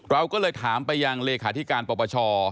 เราก็เลยถามไปยังเลขาธิการปปช